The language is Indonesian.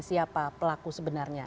siapa pelaku sebenarnya